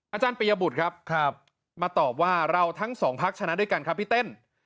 อาจารย์ปียบุตรครับมาตอบว่าเราทั้งสองพักชนะด้วยกันครับพี่เต้น